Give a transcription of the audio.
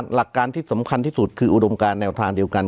หลักการที่สำคัญที่สุดคืออุดมการแนวทางเดียวกัน